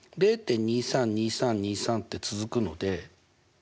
０．２３２３２３って続くので。